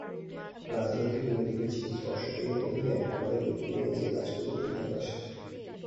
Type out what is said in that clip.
রাজলক্ষ্মী বিনোদিনীর চিবুক স্পর্শ করিয়া কহিলেন, আমাদের লক্ষ্মী মেয়ে যে কাজ করিতেই ভালোবাসে।